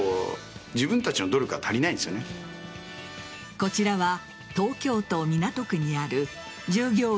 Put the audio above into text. こちらは東京都港区にある従業員